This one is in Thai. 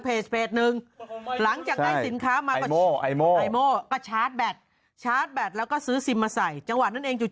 เพจหนึ่ง